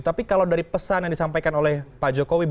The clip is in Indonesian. tapi kalau dari pesan pesan pak jokowi